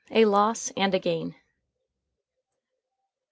A LOSS AND A GAIN. Dr.